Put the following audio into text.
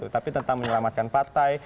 tapi tentang menyelamatkan partai